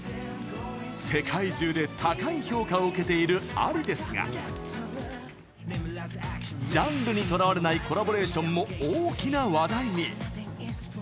世界中で高い評価を受けているＡＬＩですがジャンルにとらわれないコラボレーションも大きな話題に。